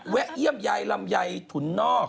เยี่ยมยายลำไยถุนนอก